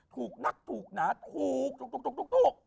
ถูกนักถูกหนาถูกถูกถูกถูกถูก